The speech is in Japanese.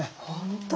本当？